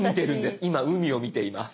今海を見ています。